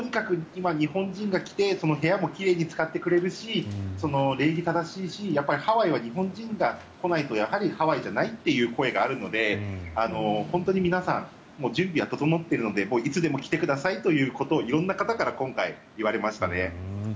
今、日本人が来て部屋も奇麗に使ってくれるし礼儀正しいしハワイは日本人が来ないとやはりハワイじゃないという声があるので本当に皆さん準備は整っているのでいつでも来てくださいということを色んな方から今回言われましたね。